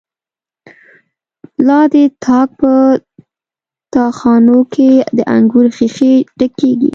لا د تاک په تا خانو کی، د انگور ښیښی ډکیږی